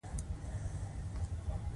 غول د روغتیا وضعیت ښيي.